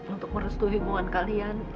untuk merestu hubungan kalian